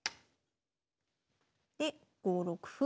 で５六歩。